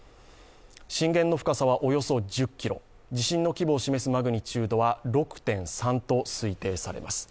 震源の深さはおよそ１０ｋｍ、地震の規模を示すマグニチュードは６．３と推定されます。